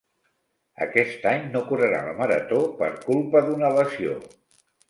Aquest any no correrà la marató per culpa d'una lesió.